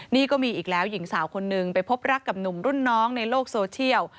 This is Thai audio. นี่ก็มีอีกแล้วหญิงสาวคนนึงไปพบรักกับหนุ่มรุ่นน้องในโลกโซเชียล